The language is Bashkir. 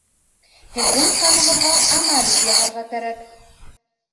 Һеҙҙең ҡанығыҙға анализ яһарға кәрәк